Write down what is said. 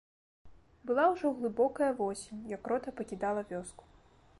Была ўжо глыбокая восень, як рота пакідала вёску.